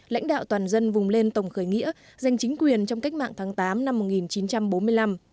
lãnh đạo toàn dân vùng lên tổng khởi nghĩa giành chính quyền trong cách mạng tháng tám năm một nghìn chín trăm bốn mươi năm